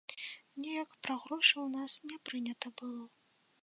Неяк пра грошы ў нас не прынята было.